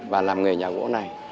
và làm nghề nhà cổ này